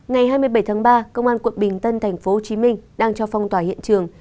ngày hai mươi bảy tháng ba công an quận bình tân tp hcm đang cho phong tỏa hiện trường